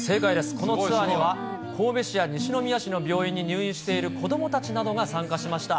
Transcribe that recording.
このツアーには、神戸市や西宮市の病院に入院している子どもたちなどが参加しました。